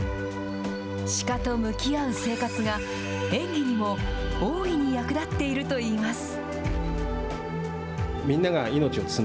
鹿と向き合う生活が演技にも大いに役立っていると言います。